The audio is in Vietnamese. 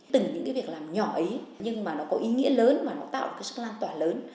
từng những cái việc làm nhỏ ấy nhưng mà nó có ý nghĩa lớn mà nó tạo được cái sức lan tỏa lớn